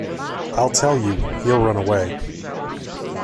I'll tell you, he'll run away.